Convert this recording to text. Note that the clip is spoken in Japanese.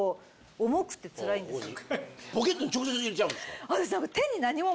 ポケットに直接入れちゃうんですか？